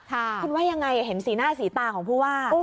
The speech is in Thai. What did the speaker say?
คุณว่ายังไงเห็นสีหน้าสีตาของผู้ว่า